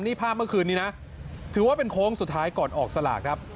นี่ภาพเมื่อคืนนี้นะถือว่าเป็นโค้งสุดท้ายก่อนออกสลากครับ